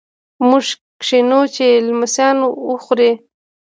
موږ کینوو چې لمسیان وخوري.